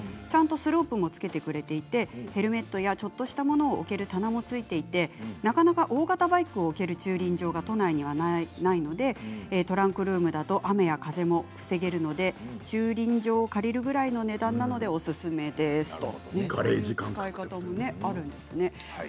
ちゃんとスロープもつけてくれていてヘルメットやちょっとしたものを置ける棚もついていてなかなか大型バイクを置ける駐輪場が都内にはないのでトランクルームだと雨や風も防げるので駐輪場を借りるぐらいのガレージ感覚で。